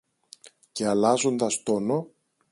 Και αλλάζοντας τόνο